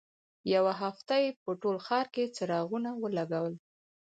یوه هفته یې په ټول ښار کې څراغونه ولګول.